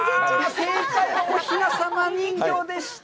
正解はおひな様人形でした。